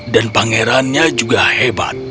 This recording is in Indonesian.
dan pangerannya juga hebat